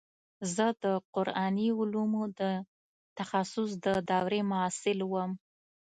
زه د قراني علومو د تخصص د دورې محصل وم.